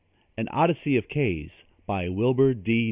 AN ODYSSEY OF K'S BY WILBUR D.